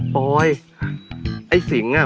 แบบนี้ก็ได้